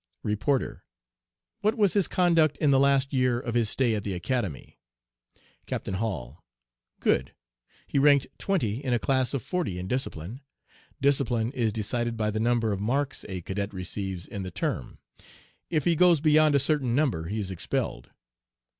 "REPORTER 'What was his conduct in the last year of his stay at the Academy?' "CAPTAIN HALL 'Good. He ranked twenty in a class of forty in discipline. Discipline is decided by the number of marks a cadet receives in the term. If he goes beyond a certain number he is expelled.'